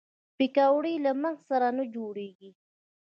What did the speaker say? پکورې له مغز سره نه جوړېږي